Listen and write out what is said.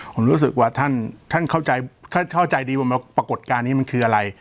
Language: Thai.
ผมรู้สึกว่าท่านเข้าใจดีว่าปรากฏการณ์นี้มันคืออะไร